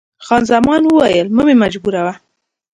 خان زمان وویل، مه مې مجبوروه.